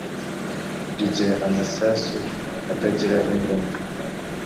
rigira amasasu atagira imbunda